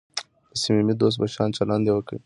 د صمیمي دوست په شان چلند یې وکړ.